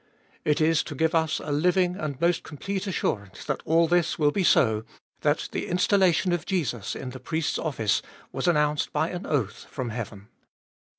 It is to give us a living and most complete assurance that all this will be so, that the installation of Jesus in the Priest's office was announced by an oath from heaven.